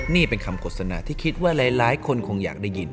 นี่เป็นคำโฆษณาที่คิดว่าหลายคนคงอยากได้ยิน